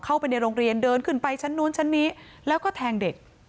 เข้าไปในโรงเรียนเดินขึ้นไปชั้นนู้นชั้นนี้แล้วก็แทงเด็ก